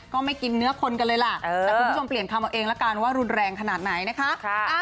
ก็ไม่กินเนื้อคนกันเลยล่ะแต่คุณผู้ชมเปลี่ยนคำเอาเองละกันว่ารุนแรงขนาดไหนนะคะ